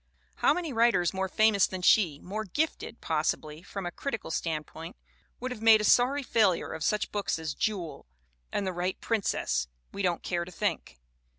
How many writers more famous than she, more gifted, possibly, from a critical standpoint, would have made a sorry failure of such books as Jewel and The Right Princess we don't care to think.